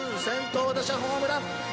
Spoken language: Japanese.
先頭打者ホームラン！